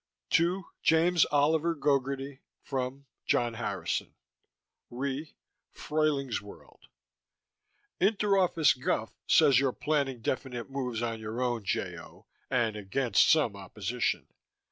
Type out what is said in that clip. TO: James Oliver Gogarty FROM: John Harrison RE: Fruyling's World Interoffice guff says you're planning definite moves on your own, J. O., and against some opposition.